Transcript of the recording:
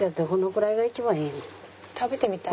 食べてみたい。